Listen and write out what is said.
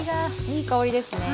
いい香りですね。